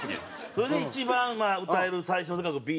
それで一番歌える最新の曲Ｂ